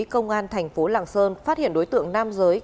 công an tp lạng sơn phát hiện đối tượng nam giới